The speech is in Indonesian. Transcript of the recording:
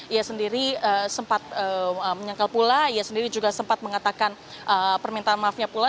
ia sendiri sempat menyangkal pula ia sendiri juga sempat mengatakan permintaan maafnya pula